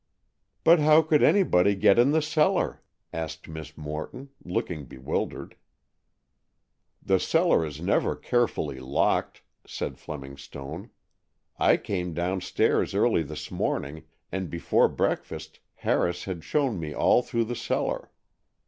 "But how could anybody get in the cellar?" asked Miss Morton, looking bewildered. "The cellar is never carefully locked," said Fleming Stone. "I came downstairs early this morning, and before breakfast Harris had shown me all through the cellar.